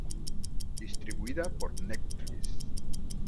Distribuida por Netflix.